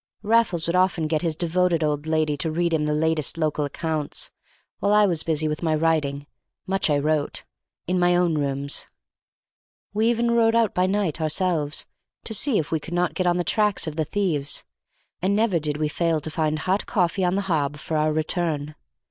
Raffles would often get his devoted old lady to read him the latest local accounts, while I was busy with my writing (much I wrote) in my own room. We even rode out by night ourselves, to see if we could not get on the tracks of the thieves, and never did we fail to find hot coffee on the hob for our return.